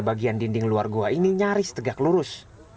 bagian dinding luar goa ini nyaris tegak lurus